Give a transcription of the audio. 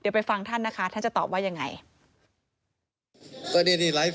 เดี๋ยวไปฟังท่านนะคะท่านจะตอบว่ายังไง